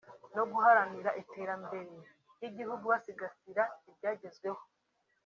no guharanira iterambere ry’igihugu basigasira ibyagezweho